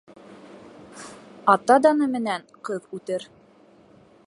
Ата даны менән ҡыҙ үтер.